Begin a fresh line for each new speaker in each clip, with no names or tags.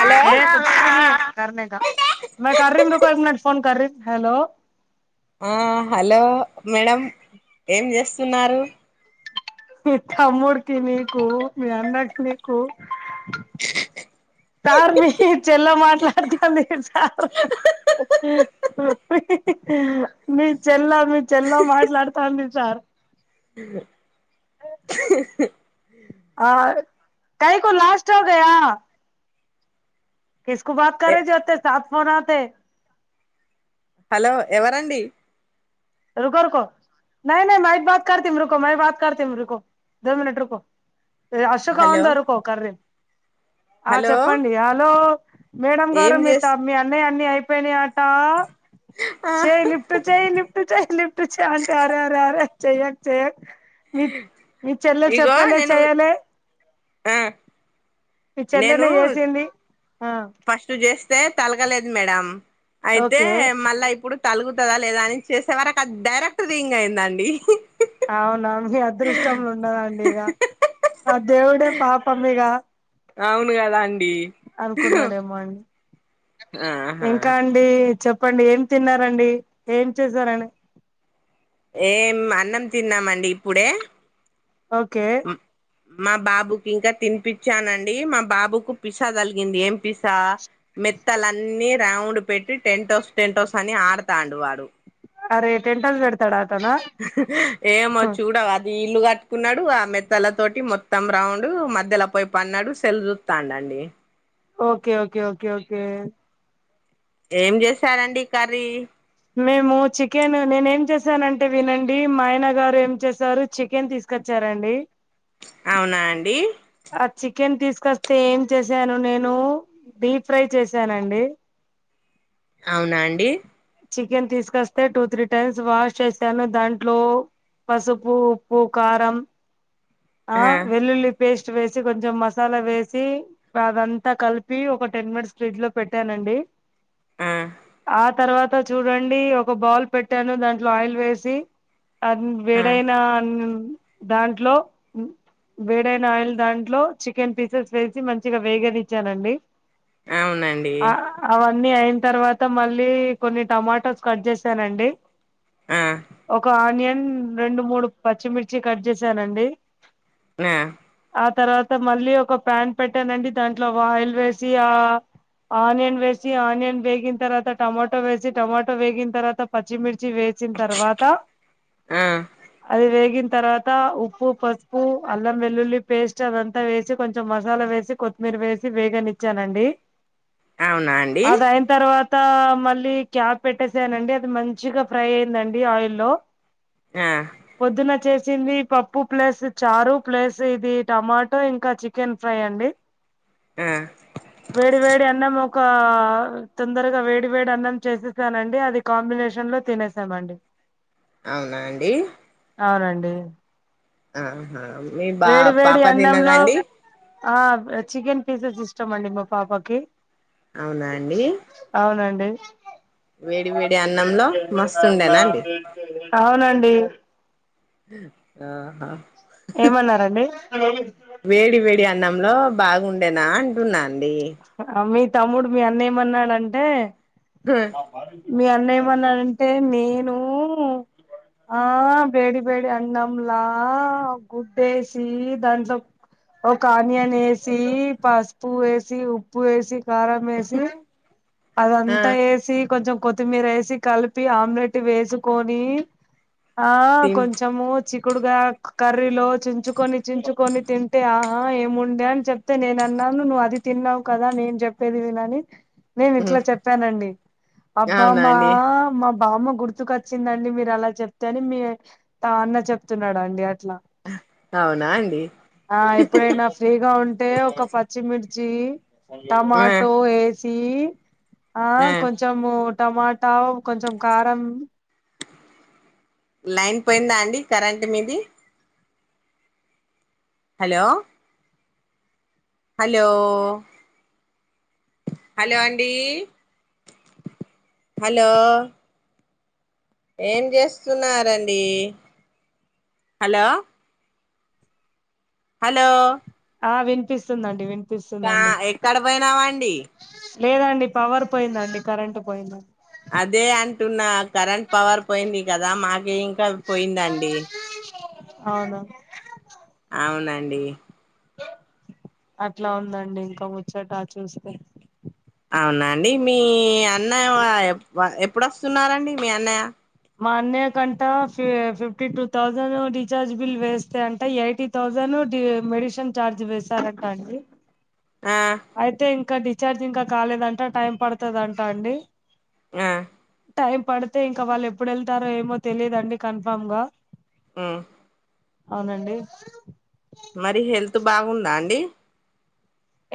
Hello
ఏ కర్ణిక మే కర్రీ దేఖో ఫోన్ ఏక్ మినిట్ హలో
ఆ హలో మేడం ఏం చేస్తున్నారు
మీ తమ్ముడికి నీకు మీ అన్నకి నీకు సార్ మీ చెల్ల మాట్లాడుతాంది సారు మీ చెల్ల మీ చెల్లా మాట్లాడుతాంది సార్ ఆ కైకు లాస్ట్ హోగయ కిసుకు బత కారే జీ వత్తే బార్ ఫోన్ ఆతే
హలో ఎవరండి
రుకో రుకో నై నై మైచ్ బాత్ కర్తిమ్ రుకో మై బాత్ కార్తిమ్ రుకో దో మినిట్ రుకో అశోకా
హలో
ఉందరకోకర్ర్రి ఆ
హలో
చెప్పండి హలో మేడం
ఏం
గారు మీ త
చేస్
మీ అన్నయ్య అన్ని అయిపోయినాయట
ఆ
చేై లిఫట్ చెై లిఫట్ చెై లిఫట్ చె ఆంటే ఆరే అే ఆరే చెయ్యక చెయ్యక మీ మీ చెల్లెలు
ఇగో
చెప్పైనా
నేను
చేయాలి
ఆ
ఈ
నేను
చెల్లెనే వేసింది ఆ
ఫస్ట్ చేస్తే తలగలేదు మేడం అయితే
ఓకే
మళ్ళా ఇప్పుడు తలుగుతుందా లేదా అని చేసే వరకు అది డైరెక్ట్ రింగ్ అయిందండి
అవునవును అది మీ అదృష్టం ఉండదండి ఇక ఆ దేవుడే పాపం ఇగ
అవును కదా అండి
మన్
ఆహా
ఇంకా అండి చెప్పండి ఏం తిన్నారండి ఏం చేసారని
ఏం అన్నం తిన్నామండి ఇప్పుడే
ఓకే
ఆ మా బాబుకి ఇంకా తినిపచ్చానండి మా బాబుకు పిసా కలిగింది ఏం పిసా మెత్తలన్నీ రౌండ్ పెట్టి టెంటౌస్ టెంహౌస్ అని ఆడతాండు వాడు
అరే టెంట్ హౌస్ పెడతాడా అతను
ఏమో చూడవు అది ఇల్లు కట్టుకున్నాడు ఆ మెత్తల తోటి మొత్తం రౌండ్ మధ్యలో పోయి పన్నడు సెల్ చూస్తాండండి
ఓకే ఓకే ఓకే ఓకే
ఏం చేస్తారండి కర్రీ
మేము చికెన్ నేను ఏం చేసానంటే వినండి మా ఆయన గారు ఏం చేశారు చికెన్ తీసు కొచ్చారా అండి
అవునా అండి
ఆ చికెన్ తీస్కస్తే ఏం చేసాను నేను డీప్ ఫ్రై చేశానండి
అవునా అండి
చికెన్ తీస్కస్తే టూ త్రీ టైమ్స్ వాష్ చేసాను దాంట్లో పసుపు ఉప్పు కారం ఆ వెల్లుల్లి పేస్ట్ వేసి కొంచెం మసాలా వేసి అదంతా కలిపి ఒక టెన్ మినిట్స్ ఫ్రిడ్జ్లో పెట్టానండి
ఆ
ఆ తర్వాత చూడండి ఒక బౌల్ పెట్టాను దాంట్లో ఆయిల్ వేసి అది
ఆ
వేడైనా దాంట్లో వేడైన ఆయిల్ దాంట్లో చికెన్ పీసెస్ వేసి మంచిగ వేగనిచ్చానండి
అవునండి
ఆ అవన్నీ అయిన తర్వాత మళ్ళీ కొన్ని టమాటోస్ కట్ చేసానండి
ఆ
ఒక ఆనియన్ రెండు మూడు పచ్చిమిర్చి కట్ చేసానండి
నా
ఆ తర్వాత మళ్ళీ ఒక ప్యాన్ పెట్టానండి దాంట్లోకు ఆయిల్ వేసి ఆ ఆనియన్ వేసి ఆనియన్ వేగిన తర్వాత టమాటో వేసి టొమాటో వేగిన తర్వాత పచ్చిమిర్చి వేసిన తర్వాత
ఆ
అది వేగిన తర్వాత ఉ ప్పు ప సుపు అల్లం వెల్లుల్లి పేస్ట్ అదంతా వేసి కొంచెం మసాలా వేసి కొత్తిమీర వేసి వేగనిచ్చానండి
అవునా అండి
అదై న తర్వాత మళ్ళీ క్యాప్ పెట్టేసేయాలండి అది మంచిగ ఫ్రై అయిందండి ఆయిల్లో
ఏ
పొద్దున చేసింది పప్పు ప్లస్ చారు ప్లేస్ ఇది టమాటో ఇంకా చికెన్ ఫ్రై అండి
ఆ
వేడి వేడి అన్నము ఒక తొందరగా వేడి వేడి అన్నం చేసేసానండి అది కాంబినేషన్లో తినేసామండి
అవునా అండి
అవునండి
మీ బా
వేడి వేడి
పాప తిన్నదా
అన్నంలో
అండి
ఆ చికెన్ పీసెస్ ఇష్టం అండి మా పాపకి
అవునా అండి
అవునండి
వేడి వేడి అన్నంలో మస్తుండేనా అండి
అవునండి
ఆహా
ఏమన్నారండి
వేడి వేడి అన్నంలో బాగుండేనా అంటున్నా అండి
మీ తమ్ముడు మీ అన్న ఏమన్నాడంటే
గ
మీ అన్న ఏమన్నాడంటే నేను ఆ వేడి వేడి అన్నమ్లా గుడ్డేసి దాంట్లో ఒక ఆనియన్ ఏసి పసుపు వేసి ఉప్పు వేసి కారం వేసి
ఆ
అదంతా ఏసి కొంచెం కొత్తిమీర ఏసి కలిపి ఆమ్లెట్ వేసుకొని ఆ
తిన్
కొంచెము చి క్కుడుకాయ కర్రీలో చించుకొని చించుకొని తింటే ఆహ ఏముండే అని చెప్ అతే నేను అన్నాను నువ్వు అది తిన్నావు కదా నేను చెప్పేది వినని, నేను ఇట్లా చెప్పానండి
అవునా
అబ్బామ్మా
అండి
మా బామ్మ గుర్తుకొచ్చు, వచ్చిందండి మీరు అలా చెప్తే అని మీ త అన్న చెప్తున్నాడండి అట్లా,
అవునా అండి
ఆ ఎప్పుడైనా ఫ్రీగా ఉంటే ఒక పచ్చిమిర్చి,
ఆ
టమాటో ఏసి, ఆ కొంచము టమాటా కొంచెం కారం,
లైన్ పోయిందా అండి కరెంట్ మీది, హలో, హలో, హలో ఆండీ హలో, ఏం చేస్తున్నారండి హలో, హలో,
ఆ వినిపిస్తుందండి విన్పి,
గా ఎక్కడ పోయినావా అండి,
లేదండి పవర్ పోయిందండి కరెంట్ పోయింద,
అదే అంటున్న కరెంట్ పవర్ పోయింది కదా మాకే ఇంకా పోయిందండి.
అవున,
అవునండి.
అట్లా ఉందండి ఇంకా ముచ్చటా చూస్తే,
అవునాండి మీ అన్నయ వ ఎప్పుడు వస్తున్నారండి మీ అన్నయ్య,
మా అన్నయ్య కంటా ఫి fifty two thousand recharge bill వేస్తే అంట ఎయిటీ, థౌజండ్ డి మెడిషన్ ఛార్జ్ వేశారంట అండి,
ఆ
అయితే ఇంకా డిశ్చార్జ్ ఇంకా కాలేదంటా టైం పడతాదంట అండి,
ఆ
టైం పడితే ఇంకా వాళ్ళు ఎప్పుడు వెళ్తారో ఏమో తెలియదండి కన్ఫామ్ గా,
ఉ
అవునండి.
మరి హెల్త్ బాగుందా అండి,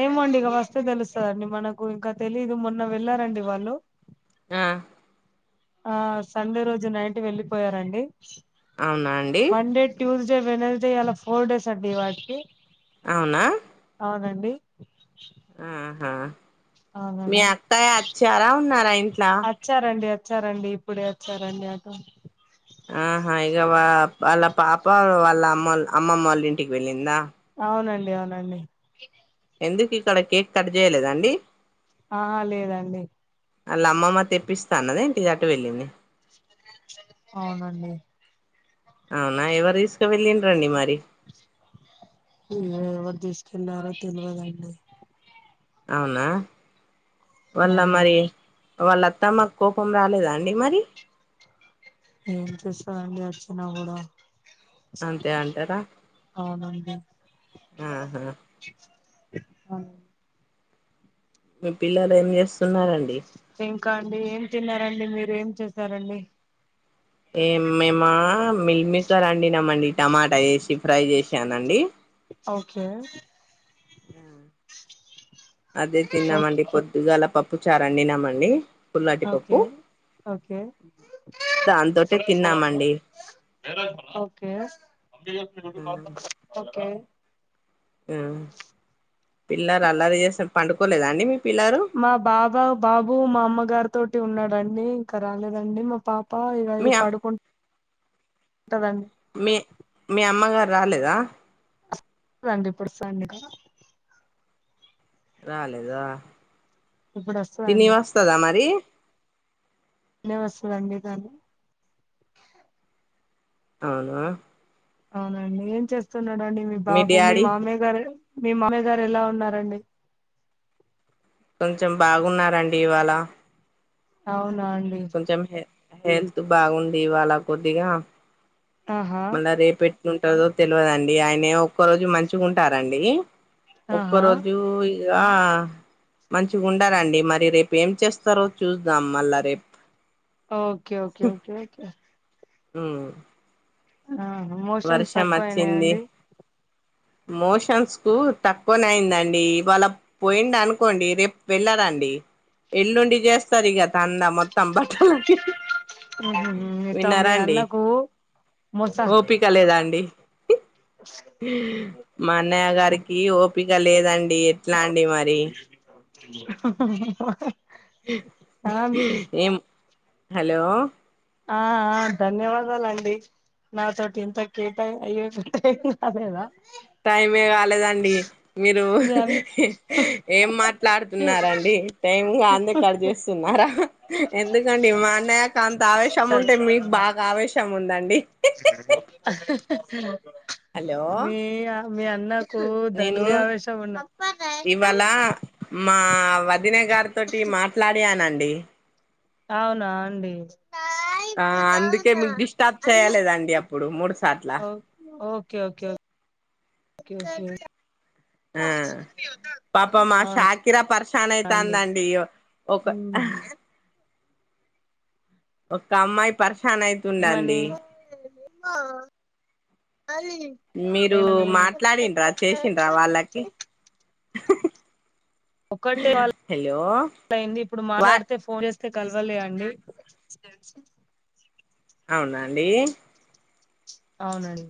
ఏమొండి ఇక వస్తే తెలుస్తదండి మనకు ఇంకా తెలీదు మొన్న వెళ్ళారండి వాళ్ళు,
ఆ
ఆ సండే రోజు నైట్ వెళ్ళిపోయారండి
అవునా అండి
మండే, ట్యూస్డే వెనస్డే ఎలా ఫోర్ డేస్ అండి ఇవాటికి,
అవునా,
అవునండి.
ఆ హ మీ
అవునండి
అత్తయ్య వచ్చరా ఉన్నారా ఆ ఇంట్లా,
వచ్చారంండి వచ్చారండి ఇప్పుడే వచ్చారండి అటు,
ఆహా ఇక వాళ్ళ పాప వాళ్ళ అమ్మ అమ్మమ్మ వాళ్ళ ఇంటికి వెళ్ళిందా.
అవునండి అవునండి.
ఎందుకు ఇక్కడ కేక్ కట్ చేయలేదండి.
ఆ లేదండి.
వాళ్ళ అమ్మమ్మ తెప్పిస్తాను అన్నదెంటీ అటు వెళ్ళింది.
అవునండి.
అవునా ఎవరు తీసుకు వెళ్ళిరండి మరి.
ఏమో ఎవరు తీసుకెళ్ళారో తెలియదండి.
అవునా వాళ్ళ మరి
అవునండి
వాళ్ళఅత్తమ్మ కోపం రాలేదా అండి మరి
ఉమ్ ఏం చేస్తారండి వచ్చిన కూడా
అంతే అంటారా ఆహా
ఆ
మీ పిల్లలు ఏం చేస్తున్నారండి
ఇంకా అండి ఏం తిన్నారండి మీరు ఏం చేశారండి
ఏ మేమ మిల్క్ మేకర్ అండినామండి టమాటా వేసి ఫ్రై చేసానండి
ఒకే
అదే
ఓకే
తిన్నామండి పొద్దుగాల పప్పు చారూ అండినమండి
ఓకేఓకే ఒకే
దాంతోటే తిన్నామండి
ఒకే
ఉమ్ పిల్లలు అల్లరి చేసిరీ పండుకోలేదా అండి మీ పిల్లలు
మా బాబా బాబు మా అమ్మగారి తోటి ఉన్నాడండి ఇంకా రాలేదండి మా పాప్ ఆ ఇవ్వాళ
మీ అమ్-
పడుకుంట దండి
మీ మీ అమ్మగారు రాలేదా
వస్త దండి ఇప్పుడు సండే
రాలేదా ఆ
ఇప్పుడు
తిని
వస్తదండి
వస్తదా మరి
అయినా వస్తదండి గాను
అవునా
అవునా అండి ఏం చేస్తున్నాడండి మీ బాబు మీ మామయ్య గారు మీ మామయ్య గారు ఎలా ఉన్నారండి
కొంచెం బాగున్నారండి ఇవాళ
అవునా అండి
కొంచెం హె హెల్త్ బాగుంది ఇవాళ కొద్దిగా
ఆహా
మళ్ళా రేపూ యెట్ వుంటదో తెలవదండి ఆయన ఒక్క రోజు మంచిగ ఉంటారండి ఒక్క
ఆహా
రోజు ఇగా మంచిగ ఉండరండి మరి రేపు ఏం చేస్తారో చూద్దాం మళ్ళా రే
ఓకే ఓకే ఓకే అయితే
ఉ
ఆహా మోషన్స్ తక్కువ అయినాయ
వచ్చింది
అండి
మోషన్స్ కు తక్కువనే అయిందండి ఇవాళ పోయిండి అనుకోండి రేపు వెళ్ళ రండి ఎల్లుండి చేస్తాదిఇగా తండా మొత్తం బట్టలనీ
ఉహుహు
ఉమ్
మీ త
విన్నారా
మీ
అండి
అన్నకు మోస
ఓపిక లేదా అండి ఉమ్ మా అన్నయ్య గారికి ఓపిక లేదండి ఎట్లా అండి
ఆ
మరి
ఉహు హహ హ
ఏం హలో
ఆ ఆ ధన్యవాదాలు అండి నా తోటి ఇంత కేటా అయ్యో అదేద
టైమే కాలేదండి మీరు
మీ అన్న
ఏం మాట్లాడుతున్నారండి టైమ్ గాందే కటు జేస్తున్నారా ఎందుకండి మా అన్నయ అంత ఆవేశం
సరే
ఉంటే మీకు బాగా ఆవేశం ఉందండి హలో
మీ మీ అన్నా ఓ దండివేశము ఉన్న
అలా మా వదిన గారి తోటి మాట్లాడియానండి
అవునా అండి
ఆ అందుకే మీకు డిస్టర్బ్ చేయలేదండి అప్పుడు మూడు సార్ల
ఓకే ఓకే ఓకే ఓకే
మ్ పాపం మా
అవునా
షాకిరా పరషానయితాందండి
ఉమ్
ఒక్క అమ్మాయి పర్శాన్ అయి
ఏమని
మీరు
ఏమని
మాట్లాడిండ్రా చేసిండ్రా వాళ్ళకి
ఒక్కటే వాళ్
హలో
అయింది ఇప్పుడు
వా
మాట్లాడితే ఫోన్ చేస్తే కలవలే అండి
అవునాండి
అవునండి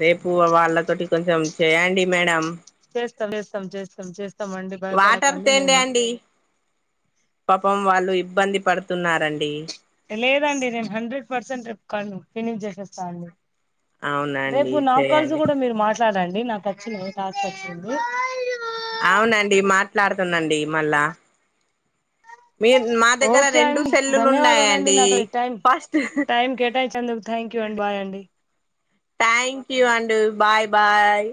రేపు వాళ్ళతోటి కొంచెం చేయండి మేడం
చేస్తం చేస్తం చేస్తం చేస్తమండి
వాటర్
భయపడకండి
తేండి
నేను
అండి పాపం వాళ్ళు ఇబ్బంది పడుతున్నారండి
లేదండి నేను హండ్రెడ్ పర్సెంట్ ట్రిప్ కను ఫినిష్ చేసేస్తా అండి
అవునండి
రేపు నా కాల్సు
చేయండి
కూడా మీరు మాట్లాడండి నాకు వచ్చినయ్ కాల్స్ వచ్చింది
అవునండి మాట్లాడతన్నండి మళ్ళా మీ మా దగ్గర
ఓకే
రెండు
అండి
సెల్లులు
ధన్యవాదాలండి
ఉన్నాయండి
నాతో టైం
ఫస్ట్
టైం కేటాయి చందుకు థంక్యు అండి బాయ్ అండి
థ్యాంక్యూ అండి బాయ్ బాయ్